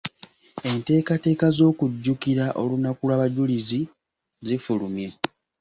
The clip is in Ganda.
Enteekateeka z’okujjukira olunaku lw’abajulizi zifulumye.